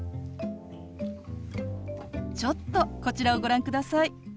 ちょっとこちらをご覧ください。